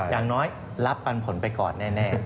อย่างน้อยรับปันผลไปก่อนแน่